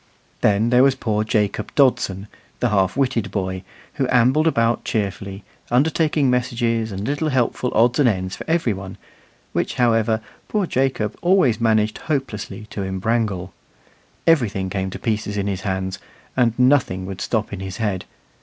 Then there was poor Jacob Dodson, the half witted boy, who ambled about cheerfully, undertaking messages and little helpful odds and ends for every one, which, however, poor Jacob managed always hopelessly to imbrangle. Everything came to pieces in his hands, and nothing would stop in his head.